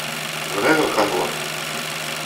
Bɣiɣ lqahwa.